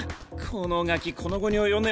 このガキこの期に及んでまだ。